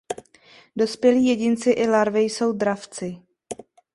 Dospělí jedinci i larvy jsou dravci.